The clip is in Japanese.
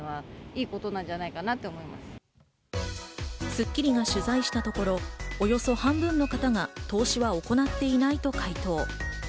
『スッキリ』が取材したところ、およそ半分の方が投資は行っていないと回答。